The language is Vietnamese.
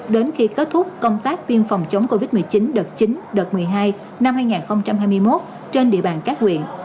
đến khi kết thúc công tác viên phòng chống covid một mươi chín đợt chín đợt một mươi hai năm hai nghìn hai mươi một trên địa bàn các huyện